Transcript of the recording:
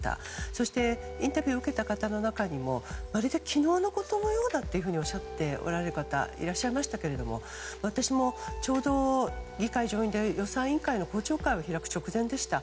そして、インタビューを受けた方の中にもまるで昨日のことのようだっておっしゃっておられる方いらっしゃいましたが私もちょうど議会上院で予算委員会の公聴会を聞く途中でした。